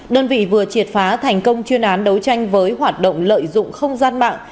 đơn vị vừa triệt phá thành công chuyên án đấu tranh với hoạt động lợi dụng không gian mạng